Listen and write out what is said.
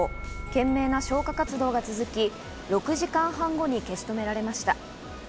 懸命な消火活動が続き、６時間半後に消し止められました。